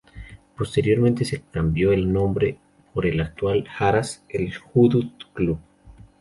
Posteriormente se cambió el nombre por el actual, Haras El-Hodood Club.